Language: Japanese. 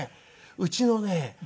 うちのね